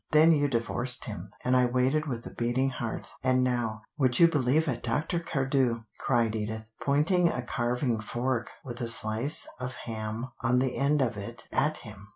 Then you divorced him, and I waited with a beating heart. And now, would you believe it, Dr. Cardew!" cried Edith, pointing a carving fork with a slice of ham on the end of it at him.